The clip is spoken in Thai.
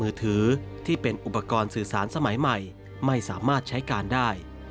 ถือที่เป็นอุปกรณ์สื่อสารสมัยใหม่ไม่สามารถใช้การได้